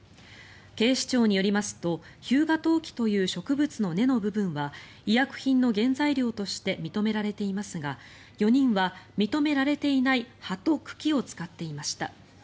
警視庁によりますとヒュウガトウキという植物の根の部分は医薬品の原材料として認められていますが４人は認められていない葉と茎を使っていました。